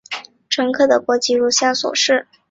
乘客的国籍如下所示。